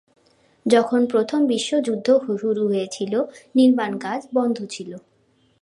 যখন প্রথম বিশ্বযুদ্ধ শুরু হয়েছিল, নির্মাণকাজ বন্ধ ছিল।